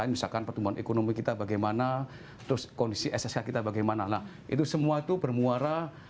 misalkan pertumbuhan ekonomi kita bagaimana terus kondisi ssh kita bagaimana nah itu semua itu bermuara